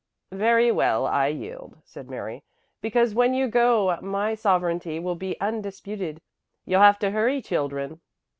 "Very well, I yield," said Mary, "because when you go my sovereignty will be undisputed. You'll have to hurry, children."